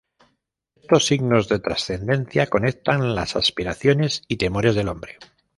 Estos signos de trascendencia conectan las aspiraciones y temores del hombre.